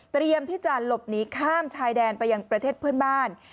ที่จะหลบหนีข้ามชายแดนไปยังประเทศเพื่อนบ้าน